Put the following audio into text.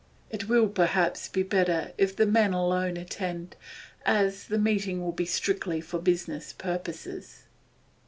It will perhaps be better if the men alone attend, as the meeting will be strictly for business purposes.